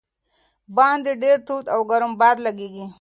باندې ډېر تود او ګرم باد لګېږي.